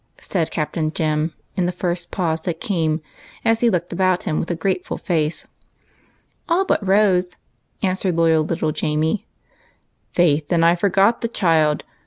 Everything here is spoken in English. " said Captain Jem in the first pause that came, as he looked about him with a grateful face. " All but Rose," answered loyal little Jamie, remem bering the absent. " Faith, I forgot the child